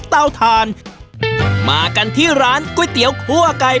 เตาถ่านมากันที่ร้านก๋วยเตี๋ยวคั่วไก่